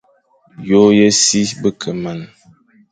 Yô ye si be ke man,